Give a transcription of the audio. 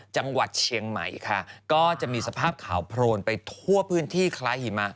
จังหวัดเชียงใหม่ค่ะก็จะมีสภาพขาวโพรนไปทั่วพื้นที่คล้ายหิมะ